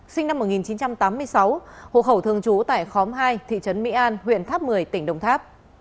sinh năm một nghìn chín trăm tám mươi sáu hộ khẩu thường trú tại khóm hai thị trấn mỹ an huyện tháp một mươi tỉnh đồng tháp